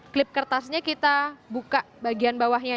klip kertasnya kita buka bagian bawahnya